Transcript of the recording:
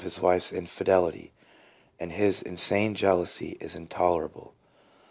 269 his wife's infidelity, and his insane jealousy is in tolerable.